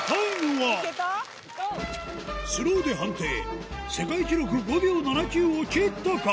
スローで判定世界記録５秒７９を切ったか？